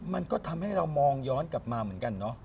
มันก็ทำให้เรามองย้อนกลับมาเหมือนกันเนาะ